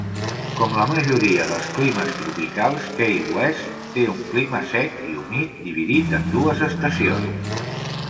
Com la majoria dels climes tropicals, Key West té un clima sec i humit dividit en dues estacions.